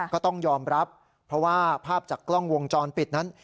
ก็ต้องยอมรับเพราะว่าภาพจากกล้องวงจรปิดนั้น